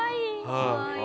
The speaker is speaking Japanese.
かわいい。